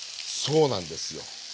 そうなんですよ。